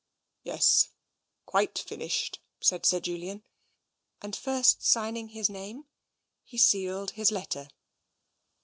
" Yes, quite finished," said Sir Julian, and, first signing his name, he sealed his letter.